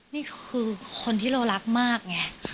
นี่คือคนที่เรารักมากไง